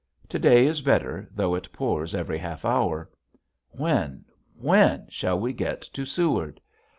To day is better though it pours every half hour. When, when shall we get to Seward!